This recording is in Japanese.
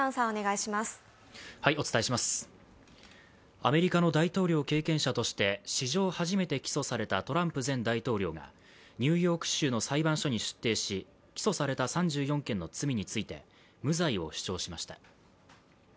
アメリカの大統領経験者として史上初めて起訴されたトランプ前大統領がニューヨーク州の裁判所に出廷し起訴された３４件の罪について無罪を主張しました。